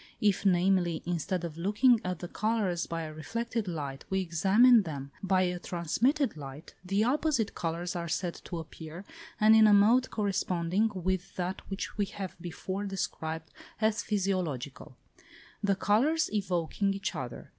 If, namely, instead of looking at the colours by a reflected light, we examine them by a transmitted light, the opposite colours are said to appear, and in a mode corresponding with that which we have before described as physiological; the colours evoking each other.